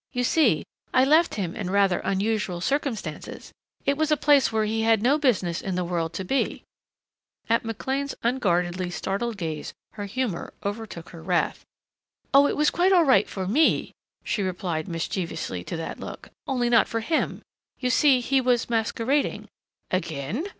"You see, I left him in rather unusual circumstances. It was a place where he had no business in the world to be " At McLean's unguardedly startled gaze her humor overtook her wrath. "Oh, it was quite all right for me" she replied mischievously to that look. "Only not for him. You see, he was masquerading " "Again?"